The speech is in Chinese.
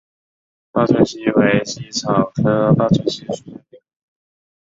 报春茜为茜草科报春茜属下的一个种。